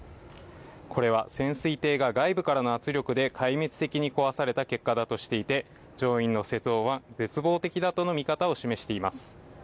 これは潜水艇が外部からの圧力で壊滅的に壊された結果だとしていて、乗員の生存は絶望的だとの見方を示しています。